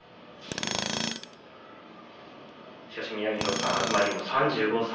宮城野さん、東龍も３５歳。